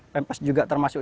pempes juga termasuk